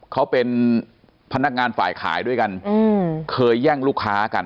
เขาเป็นพนักงานฝ่ายขายด้วยกันเคยแย่งลูกค้ากัน